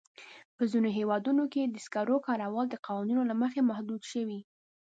په ځینو هېوادونو کې د سکرو کارول د قوانینو له مخې محدود شوي.